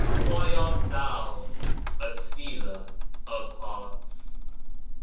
Why art thou a stealer of hearts?